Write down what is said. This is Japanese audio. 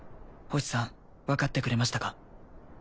星さん分かってくれましたか？